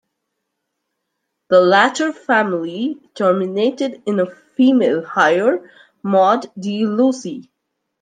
The latter family terminated in a female heir Maud de Lucy.